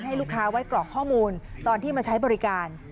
ให้ลูกค้าไว้กรอกข้อมูลตอนที่มาใช้บริการ